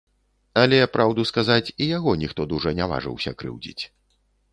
Але, праўду сказаць, і яго ніхто дужа не важыўся крыўдзіць.